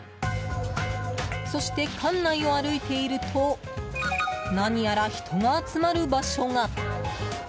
そして、館内を歩いていると何やら人が集まる場所が。